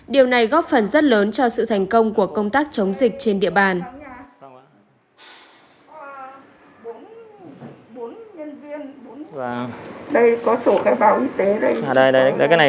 điều này góp phần rất lớn cho sự thành công của công tác chống dịch trên địa bàn